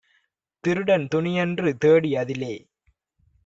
திருடன் துணியன்று தேடி, அதிலே